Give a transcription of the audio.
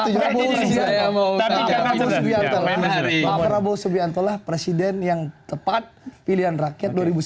pak pramowo subiantola presiden yang tepat pilihan rakyat dua ribu sembilan belas